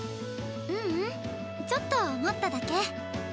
ううんちょっと思っただけ。